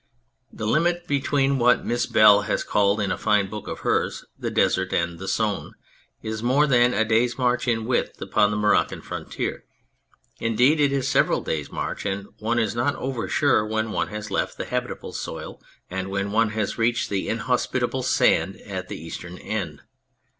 The limit between what Miss Bell has called, in a fine book of hers, "the Desert and the Sown," is more than a day's march in width upon the Moroccan frontier ; indeed it is several days' march, and one is not over sure when one has left the habitable soil and when one has reached the inhospitable sand at the eastern end.